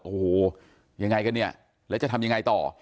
โอ้โหยังไงกันเนี่ยแล้วจะทำยังไงต่อ